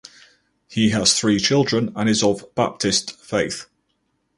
He has three children and is of Baptist faith.